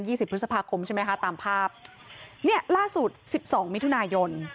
สิบพฤษภาคมใช่ไหมคะตามภาพเนี่ยล่าสุดสิบสองมิถุนายน